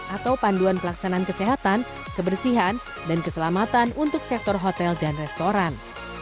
atau panduan pelaksanaan kesehatan kebersihan dan keselamatan untuk sektor hotel dan restoran